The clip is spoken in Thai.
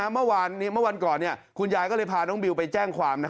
เมื่อวันก่อนคุณยายก็เลยพาน้องบิวไปแจ้งความ